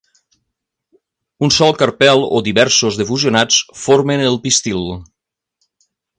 Un sol carpel o diversos de fusionats formen el pistil.